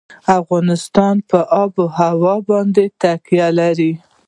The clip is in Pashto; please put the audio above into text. افغانستان په آب وهوا باندې تکیه لري.